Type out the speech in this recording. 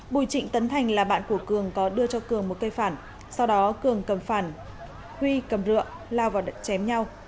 bùi trịnh tấn thành là bạn của cường có đưa cho cường một cây phản sau đó cường cầm phản huy cầm rượu lao vào đất chém nhau